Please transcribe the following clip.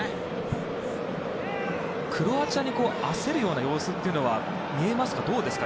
クロアチアに焦るような様子は見えますか？